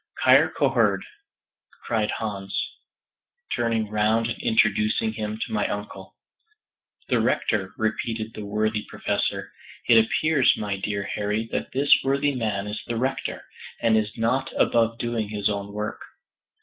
"Kyrkoherde," cried Hans, turning round and introducing him to my uncle. "The Rector," repeated the worthy Professor; "it appears, my dear Harry, that this worthy man is the Rector, and is not above doing his own work."